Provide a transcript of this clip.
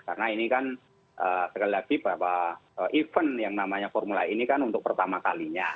karena ini kan sekali lagi event yang namanya formula e ini kan untuk pertama kalinya